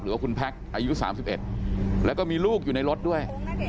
หรือว่าคุณแพ็คอายุสามสิบเอ็ดแล้วก็มีลูกอยู่ในรถด้วย